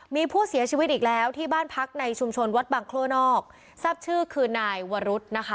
มีผู้เสียชีวิตอีกแล้วที่บ้านพักในชุมชนวัดบางโค้นอกทราบชื่อคือนายวรุษนะคะ